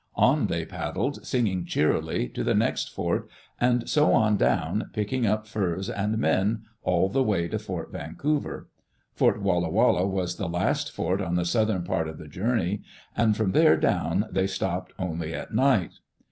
On they paddled, singing cheerily, to the next fort, and so on down, picking up furs and men all the way to Fort Vancouver. Fort Walla Walla was the last fort on the southern part of the journey, and from there down they stopped only at night.